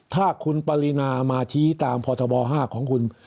ถ้าคุณปรินามาชี้ตามพบ๕ของคุณ